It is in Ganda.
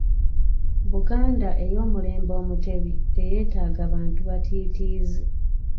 Buganda ey’omulembe Omutebi teyeetaaga bantu batiitiizi.